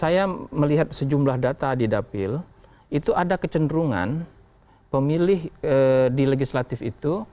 saya melihat sejumlah data di dapil itu ada kecenderungan pemilih di legislatif itu